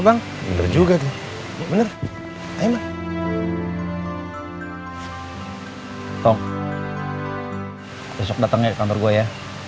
dong besok datangnya kantor gue ya